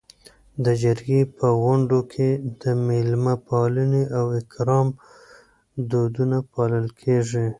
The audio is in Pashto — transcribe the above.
د جرګې په غونډو کي د میلمه پالنې او اکرام دودونه پالل کيږي.